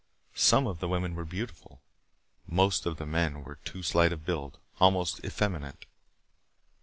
Some of the women were beautiful; most of the men were too slight of build, almost effeminate.